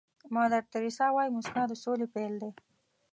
مادر تیریسا وایي موسکا د سولې پيل دی.